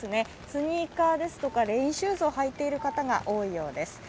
スニーカーですとかレインシューズを履いている方が多いようです。